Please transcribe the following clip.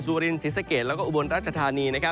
สุรินทร์ศิษย์เกตแล้วก็อุบลราชธานี